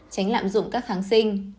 tránh lạm dụng các kháng sinh